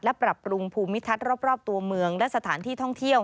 และปรับปรุงภูมิทัศน์รอบตัวเมืองและสถานที่ท่องเที่ยว